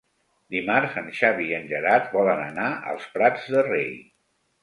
Dimarts en Xavi i en Gerard volen anar als Prats de Rei.